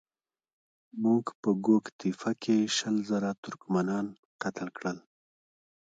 موږ په ګوک تېپه کې شل زره ترکمنان قتل کړل.